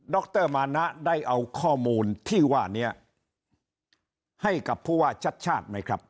รมานะได้เอาข้อมูลที่ว่านี้ให้กับผู้ว่าชัดชาติไหมครับ